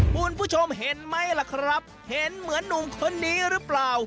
คุณผู้ชมเห็นไหมล่ะครับเห็นเหมือนหนุ่มคนนี้หรือเปล่า